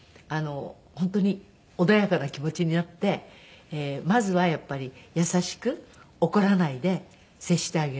本当に穏やかな気持ちになってまずはやっぱり優しく怒らないで接してあげる。